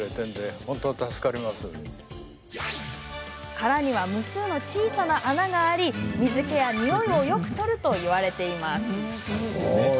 殻には、無数の小さな穴があり水けやにおいをよく取るといわれています。